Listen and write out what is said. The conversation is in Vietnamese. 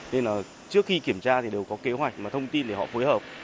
nên là trước khi kiểm tra thì đều có kế hoạch và thông tin để họ phối hợp